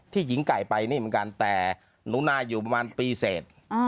หญิงไก่ไปนี่เหมือนกันแต่หนูนาอยู่ประมาณปีเสร็จ